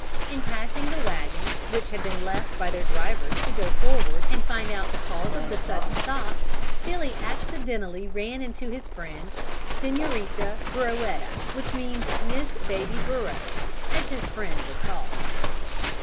In passing the wagons which had been left by their drivers to go forward and find out the cause of the sudden stop, Billy accidentally ran into his friend, Senorita Burroetta, which means Miss Baby Buro, as his friend was called.